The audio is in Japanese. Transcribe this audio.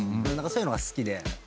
何かそういうのが好きで。